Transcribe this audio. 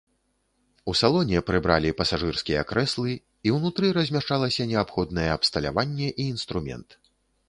У салоне прыбіралі пасажырскія крэслы і ўнутры размяшчалася неабходнае абсталяванне і інструмент.